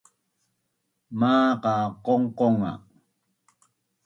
Maqa qongqong nga